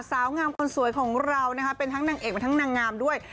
สาวงามคนสวยของเรานะคะเป็นทั้งนางเอกเป็นทั้งนางงามด้วย